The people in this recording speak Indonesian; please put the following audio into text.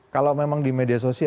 kalau memang di media sosial